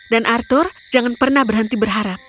dan arthur jangan pernah berhenti berharap